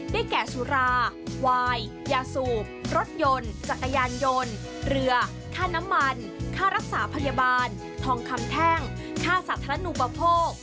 แก่สุราวายยาสูบรถยนต์จักรยานยนต์เรือค่าน้ำมันค่ารักษาพยาบาลทองคำแท่งค่าสาธารณูปโภค